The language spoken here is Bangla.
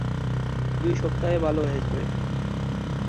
দুই সপ্তাহে ভালো হয়ে যাবে।